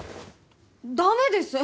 ダメです。